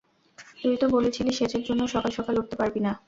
তুই তো বলেছিলি সেচের জন্য সকাল সকাল উঠতে পারবি না।